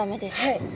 はい。